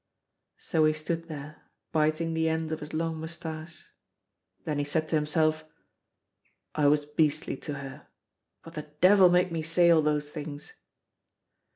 So he stood there, biting the ends of his long moustache. Then he said to himself, "I was beastly to her. What the devil made me say all those things."